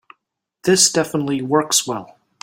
This definitely works well.